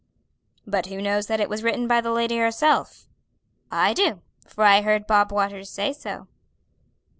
"But who knows that it was written by the lady herself?" "I do, for I heard Bob Waters say so."